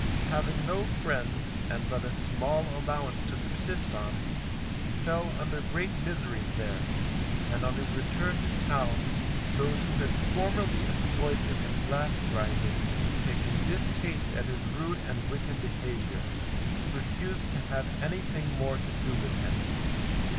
Having no friends, and but a small allowance to subsist on, he fell under great miseries there, and on his return to Town, those who had formerly employed him in glass grinding, taking distaste at his rude and wicked behaviour, refused to have anything more to do with him.